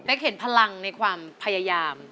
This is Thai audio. เห็นพลังในความพยายาม